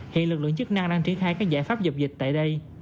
hiện lực lượng chức năng đang triển khai các giải pháp dập dịch tại đây